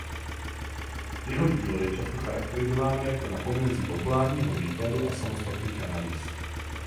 Jeho dílo je často charakterizováno jako na pomezí populárního výkladu a samostatných analýz.